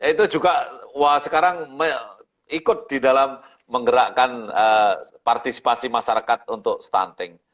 itu juga sekarang ikut di dalam menggerakkan partisipasi masyarakat untuk stunting